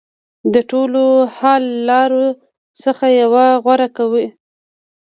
د ټولو حل لارو څخه یوه غوره کوي.